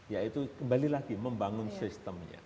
yaitu kembali lagi membangun sistemnya